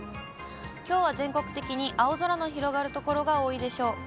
きょうは全国的に青空の広がる所が多いでしょう。